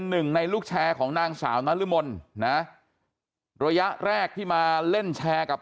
หนึ่งในลูกแชร์ของนางสาวนรมนนะระยะแรกที่มาเล่นแชร์กับ